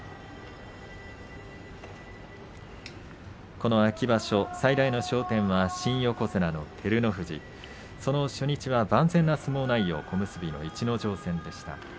この秋場所、最大の焦点は新横綱の照ノ富士その初日は万全な相撲内容小結の逸ノ城戦でした。